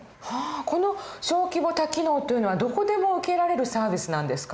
この小規模多機能というのはどこでも受けられるサービスなんですか？